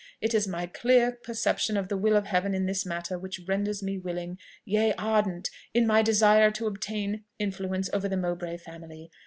It is my clear perception of the will of Heaven in this matter which renders me willing, yea, ardent in my desire to obtain influence over the Mowbray family.